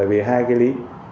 về hai lý